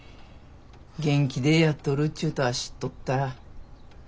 元気でやっとるちゅうとは知っとった。